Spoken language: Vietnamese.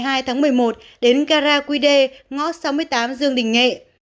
một mươi bảy h ngày một mươi hai tháng một mươi một đến gara quy đê ngõ sáu mươi tám dương đình nghệ